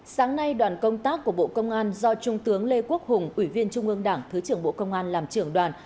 sáng nay đoàn công tác của bộ công an do trung tướng lê quốc hùng ủy viên trung ương đảng thứ trưởng bộ công an làm trưởng đoàn